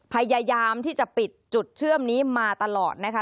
พยายามที่จะปิดจุดเชื่อมนี้มาตลอดนะคะ